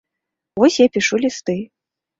Вось я пішу лісты.